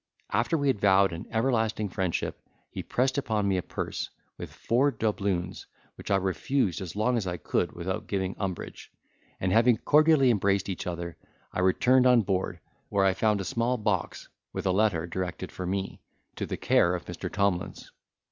After we had vowed an everlasting friendship, he pressed upon me a purse, with four doubloons, which I refused as long as I could without giving umbrage; and, having cordially embraced each other, I returned on board, where I found a small box, with a letter directed for me, to the care of Mr. Tomlins.